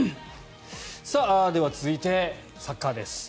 では、続いてサッカーです。